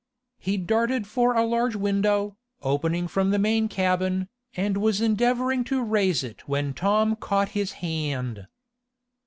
He darted for a large window, opening from the main cabin, and was endeavoring to raise it when Tom caught his hand.